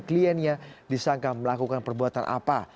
kliennya disangka melakukan perbuatan apa